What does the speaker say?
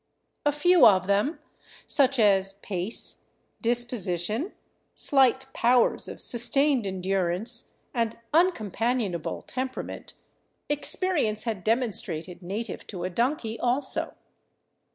A few of them, such as pace, disposition, slight powers of sustained endurance, and uncompanionable temperament, experience had demonstrated native to a donkey, also.